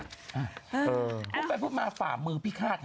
พี่ขาดคุณแพนพุทธมาฝ่ามือพี่ขาด